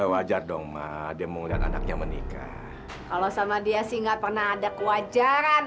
wajar dong mah dia mau lihat anaknya menikah kalau sama dia sih enggak pernah ada kewajaran